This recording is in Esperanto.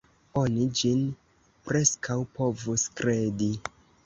Oni ĝin preskaŭ povus kredi.